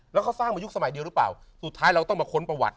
แล้วเขาสร้างมายุคสมัยเดียวหรือเปล่าสุดท้ายเราต้องมาค้นประวัติ